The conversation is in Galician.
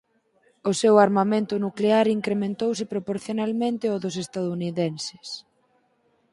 O seu armamento nuclear incrementouse proporcionalmente ó dos estadounidenses.